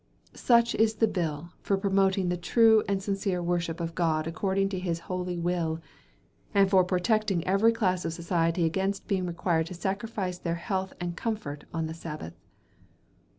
Such is the bill for promoting the true and sincere worship of God according to his Holy Will, and for protecting every class of society against being required to sacrifice their health and comfort on the Sabbath.